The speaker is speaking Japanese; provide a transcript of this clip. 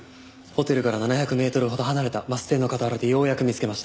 ホテルから７００メートルほど離れたバス停の傍らでようやく見つけました。